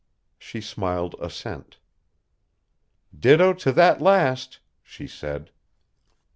She smiled assent. "Ditto to that last," she said.